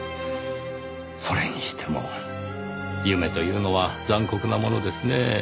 それにしても夢というのは残酷なものですねぇ。